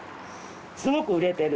すごく売れてる。